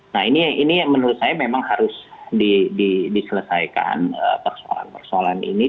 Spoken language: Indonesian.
nah ini menurut saya memang harus diselesaikan persoalan persoalan ini